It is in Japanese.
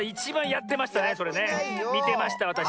みてましたわたし。